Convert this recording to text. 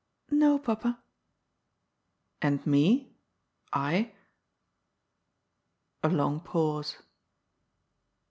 " No, papa." " And me— I ?" A long pause.